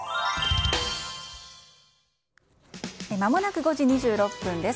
まもなく５時２６分です。